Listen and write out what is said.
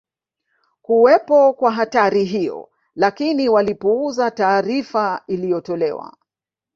kuwepo kwa hatari hiyo lakini walipuuzia taarifa iliyotolewa